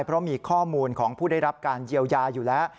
เพราะมีข้อมูลของผู้ได้รับการเยียวยาอยู่แล้ว